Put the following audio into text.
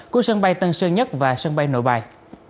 của sân bay tân sơn nhất và sân bay nội bài